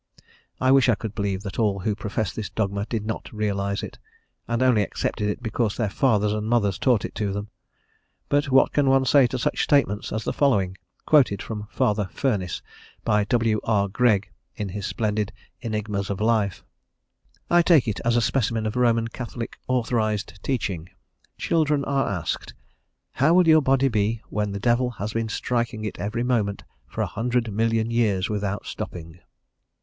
I wish I could believe that all who profess this dogma did not realize it, and only accepted it because their fathers and mothers taught it to them. But what can one say to such statements as the following, quoted from Father Furniss by W. R. Greg in his splendid "Enigmas of Life:" I take it as a specimen of Roman Catholic authorized teaching. Children are asked: "How will your body be when the devil has been striking it every moment for a hundred million years without stopping?"